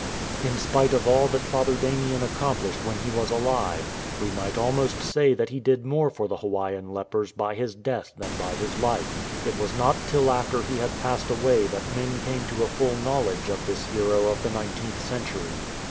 In spite of all that Father Damien accomplished when he was alive, we might almost say that he did more for the Hawaiian lepers by his death than by his life. It was not till after he had passed away that men came to a full knowledge of this hero of the nineteenth century.